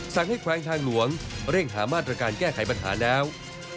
สั่งให้แขวงทางหลวงเร่งหามาตรการแก้ไขปัญหาแล้ว